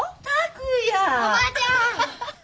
おばあちゃん。